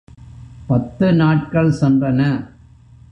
பத்து நாட்கள் சென்றன.